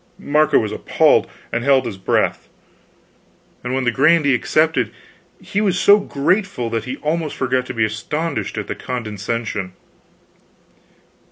Marco was appalled, and held his breath; and when the grandee accepted, he was so grateful that he almost forgot to be astonished at the condescension.